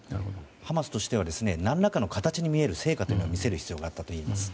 ハマスとしては何らかの形に見える成果を見せる必要があったといえます。